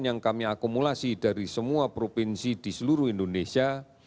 yang kami akumulasi dari semua provinsi di seluruh indonesia